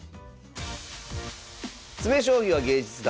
「詰将棋は芸術だ！」